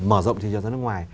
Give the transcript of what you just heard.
mở rộng thị trường ra nước ngoài